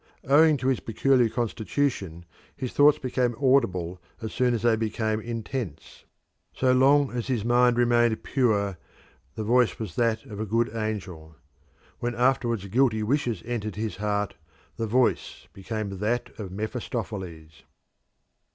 Owing to his peculiar constitution his thoughts became audible as soon as they became intense. So long as his mind remained pure, the Voice was that of a good angel; when afterwards guilty wishes entered his heart, the voice became that of Mephistopheles.